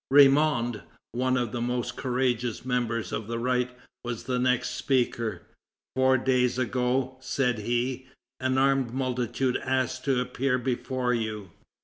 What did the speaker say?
Ramond, one of the most courageous members of the right, was the next speaker: "Four days ago," said he, "an armed multitude asked to appear before you.